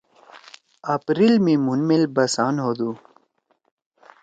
اپریل می مُھن میل بسان ہودُو۔